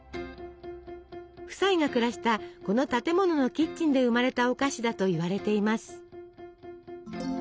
夫妻が暮らしたこの建物のキッチンで生まれたお菓子だといわれています。